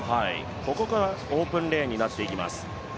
ここからオープンレーンになっていきます。